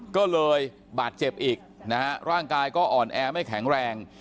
ก็เลยบาดเจ็บอีกนะฮะร่างกายก็อ่อนแอไม่แข็งแรง